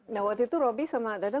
nah waktu itu robby sama dada